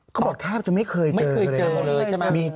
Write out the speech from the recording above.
ก็บอกแทบจะไม่เคยเจอเลยไม่เคยเจอเลยใช่ไหม